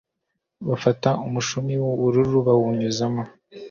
bafata umushumi w ubururu bawunyuza mo